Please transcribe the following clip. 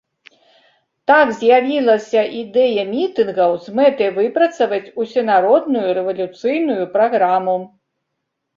Так з'явілася ідэя мітынгаў з мэтай выпрацаваць усенародную рэвалюцыйную праграму.